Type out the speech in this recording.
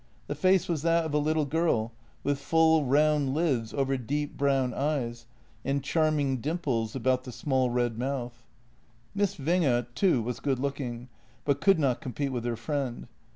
The face was that of a little girl, with full, round lids over deep, brown eyes, and charming dimples about the small, red mouth. Miss Winge too w:as good looking, but could not com pete with her friend.